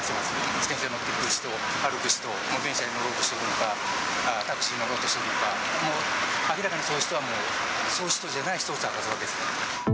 自転車に乗る人、歩く人、電車に乗ろうとしているのか、タクシーに乗ろうとしているのか、もう明らかに、そういう人じゃない人を探すわけですね。